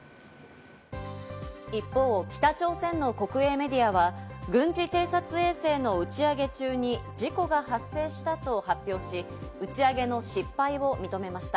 一方、北朝鮮の国営メディアは軍事偵察衛星の打ち上げ中に事故が発生したと発表し、打ち上げの失敗を認めました。